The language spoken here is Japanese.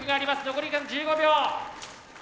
残り時間１５秒。